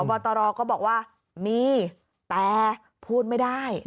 บอตรก็บอกว่ามีแต่พูดไม่ได้